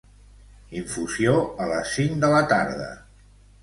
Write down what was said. Infusió a les cinc de la tarda.